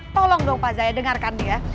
tolong dong pak zaya dengarkan ya